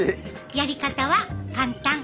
やり方は簡単。